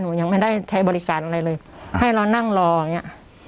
หนูยังไม่ได้ใช้บริการอะไรเลยให้เรานั่งรออย่างเงี้ย